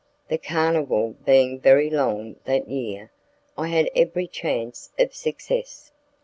The carnival being very long that year, I had every chance of success.